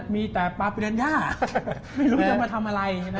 มีแต่ปราบไปเดินยากไม่รู้จะมาทำอะไรนะ